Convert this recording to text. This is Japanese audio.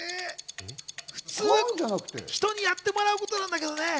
買うじゃなくて、人にやってもらうことなんだけどね。